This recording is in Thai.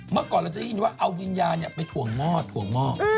เมื่อก่อนเราจะได้ยินว่าเอาวิญญาณไปถ่วงหม้อถั่วงหม้อ